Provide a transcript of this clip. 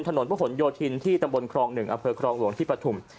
ถนนพระหลโยธินที่ตำบลครอง๑อำเภอครองหลวงที่ปฐุม